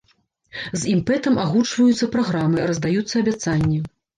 З імпэтам агучваюцца праграмы, раздаюцца абяцанні.